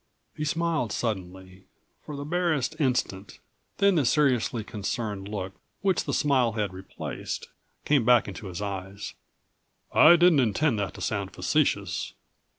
He smiled suddenly, for the barest instant, and then the seriously concerned look which the smile had replaced came back into his eyes. "I didn't intend that to sound facetious.